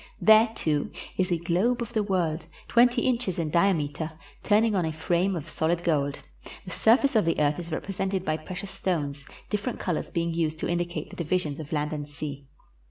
There, too, is a globe of the world, twenty inches in diameter, turning on a frame of solid gold; the surface of the earth is represented by precious stones, different colors being used to indicate the divisions of land and sea.